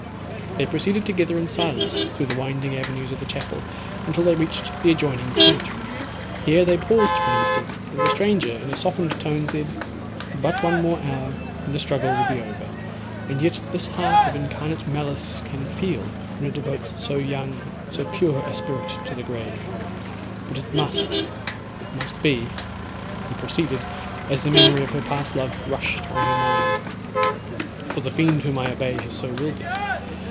They proceeded together in silence through the winding avenues of the chapel, until they reached the adjoining cemetery. Here they paused for an instant; and the stranger, in a softened tone, said, 'But one hour more, and the struggle will be over. And yet this heart of incarnate malice can feel, when it devotes so young, so pure a spirit to the grave. But it must—it must be,' he proceeded, as the memory of her past love rushed on her mind; 'for the fiend whom I obey has so willed it.